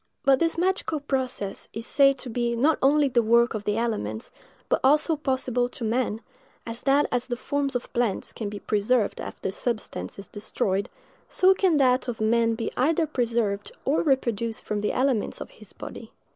But this magical process is said to be not only the work of the elements, but also possible to man; and that as the forms of plants can be preserved after the substance is destroyed, so can that of man be either preserved or reproduced from the elements of his body.